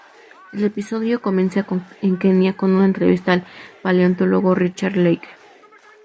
El episodio comienza en Kenia con una entrevista al paleontólogo Richard Leakey.